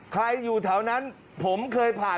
อยู่แถวนั้นผมเคยผ่าน